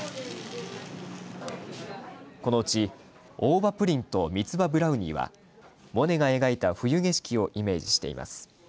このうち大葉プリンと三つ葉ブラウニーはモネが描いた冬景色をイメージしています。